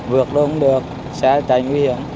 vượt đâu cũng được sẽ thành nguy hiểm